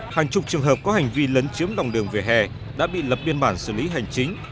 hàng chục trường hợp có hành vi lấn chiếm lòng đường về hè đã bị lập biên bản xử lý hành chính